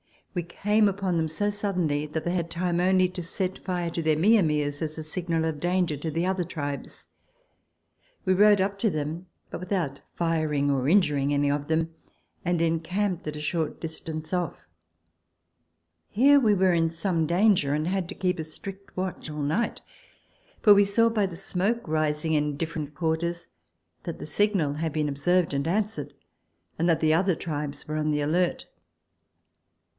We came upon them so suddenly that they had time only to set fire to their mia mias as a signal of danger to the other tribes. We rode up to them, but without firing or injuring any of them, and encamped at a short distance off. Here we were in some danger, and had to keep a strict watch all night, for we saw by the smoke rising in different quarters that the signal had been observed and answered, and that the other tribes were on the alert.